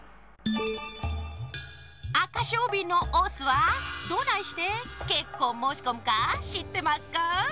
アカショウビンのオスはどないしてけっこんもうしこむかしってまっか？